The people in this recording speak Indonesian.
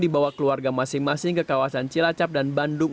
dibawa keluarga masing masing ke kawasan cilacap dan bandung